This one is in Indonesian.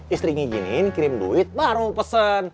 istri ngijinin kirim duit baru pesen